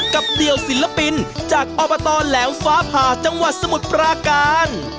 เดี่ยวศิลปินจากอบตแหลมฟ้าผ่าจังหวัดสมุทรปราการ